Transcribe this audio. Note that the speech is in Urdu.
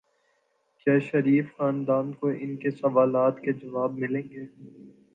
کیا شریف خاندان کو ان کے سوالات کے جواب ملیں گے؟